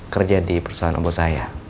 kerja di perusahaan rombo saya